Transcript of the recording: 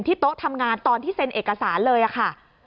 โต๊ะทำงานตอนที่เซ็นเอกสารเลยค่ะ